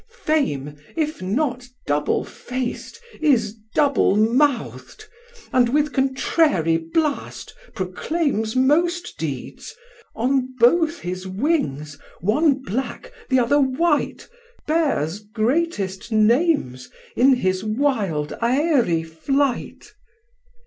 970 Fame if not double fac't is double mouth'd, And with contrary blast proclaims most deeds, On both his wings, one black, th' other white, Bears greatest names in his wild aerie flight.